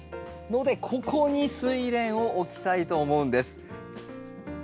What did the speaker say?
のでここにスイレンを置きたいと思うんです。